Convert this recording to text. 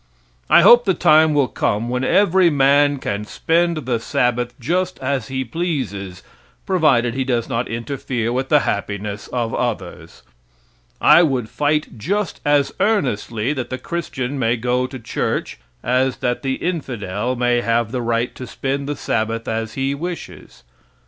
I hope the time will come when every man can spend the Sabbath just as he pleases, provided he does not interfere with the happiness of others. I would fight just as earnestly that the Christian may go to church as that the infidel may have the right to spend the Sabbath as he wishes.